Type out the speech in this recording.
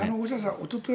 おととい